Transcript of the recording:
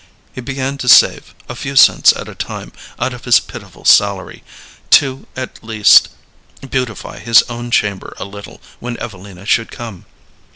He began to save, a few cents at a time, out of his pitiful salary, to at least beautify his own chamber a little when Evelina should come.